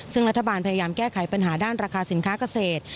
ซึ่งรัฐบาลพยายามแก้ไขปัญหาด้านราคาสินค้าเกษตร